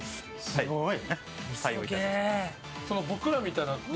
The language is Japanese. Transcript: すごい！